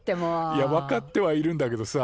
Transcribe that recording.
いや分かってはいるんだけどさ